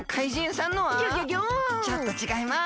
ちょっとちがいます！